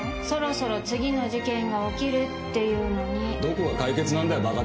そろそろ次の事件が起きるっていうのにどこが解決なんだよ？